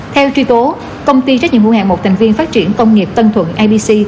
theo truy tố công ty trách nhiệm vụ hạng một thành viên phát triển công nghiệp tân thuần abc